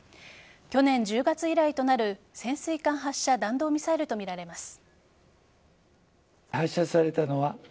去年１０月以来となる潜水艦発射弾道ミサイルとみられます。